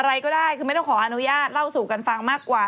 อะไรก็ได้คือไม่ต้องขออนุญาตเล่าสู่กันฟังมากกว่า